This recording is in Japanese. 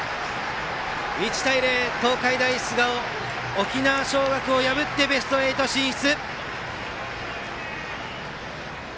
１対０、東海大菅生は沖縄尚学を破ってベスト８進出。